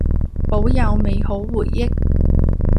保有美好回憶